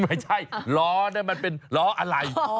ไม่ใช่ล้อนั่นมันเป็นล้ออะไร